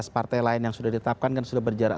partai lain yang sudah ditetapkan kan sudah berjarak